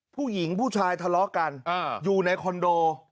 ผู้หญิงผู้ชายทะเลาะกันอยู่ในคอนโด